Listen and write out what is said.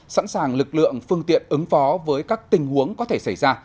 sẵn sàng lực lượng phương tiện ứng phó với các tình huống có thể xảy ra